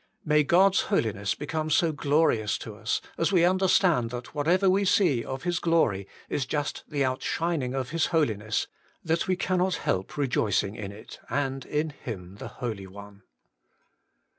May God's holiness become so glorious to us, as we understand that whatever we see of His glory is just the outshining of His holiness, that we cannot help rejoicing in it, and in Him the Holy One.